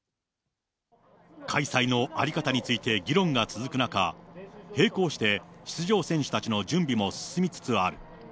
開催の在り方について議論が続く中、並行して出場選手たちの準備も進みつつある。